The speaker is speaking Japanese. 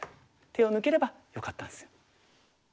手を抜ければよかったんですよ。